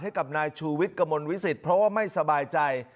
ให้กับนายชูวิทย์กระมวลวิสิตเพราะว่าไม่สบายใจ